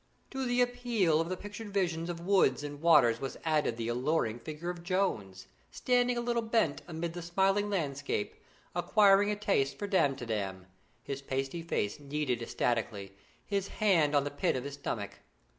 To the appeal of the pictured visions of woods and waters was added the alluring figure of Jones, standing a little bent amid the smiling landscape, acquiring a taste for Damtidam; his pasty face kneaded ecstatically, his hand on the pit of his stomach.